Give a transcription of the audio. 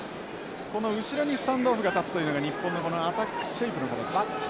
この後ろにスタンドオフが立つというのが日本のアタックシェイプの形。